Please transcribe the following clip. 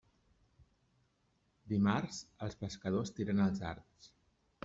Dimarts, els pescadors tiren els arts.